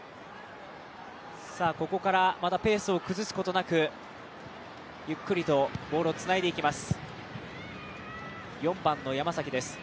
ここからまたペースを崩すことなく、ゆっくりとボールをつないでいきます。